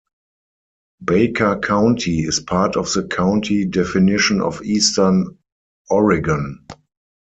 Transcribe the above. Baker County is part of the county definition of Eastern Oregon.